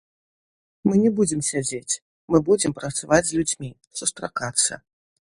Мы не будзем сядзець, мы будзем працаваць з людзьмі, сустракацца.